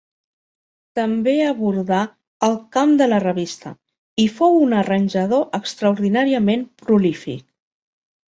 També abordà el camp de la revista i fou un arranjador extraordinàriament prolífic.